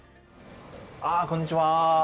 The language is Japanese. こんにちは。